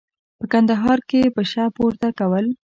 په کندهار کې پشه پورته کول.